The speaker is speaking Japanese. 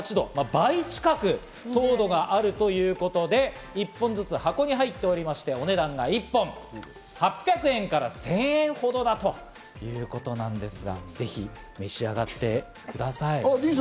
倍近く糖度があるということで、１本ずつ箱に入っておりまして、お値段が１本８００円から１０００円ほどということなんです。